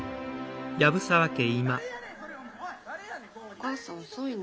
お母さん遅いね。